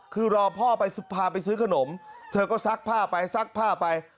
คือรอพ่อไปพาไปซื้อขนมเธอก็ซักผ้าไปซักผ้าไป